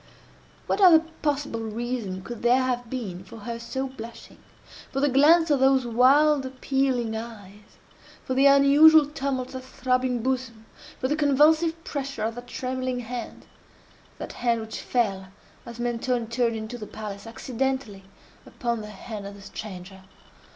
What other possible reason could there have been for her so blushing?—for the glance of those wild appealing eyes?—for the unusual tumult of that throbbing bosom?—for the convulsive pressure of that trembling hand?—that hand which fell, as Mentoni turned into the palace, accidentally, upon the hand of the stranger.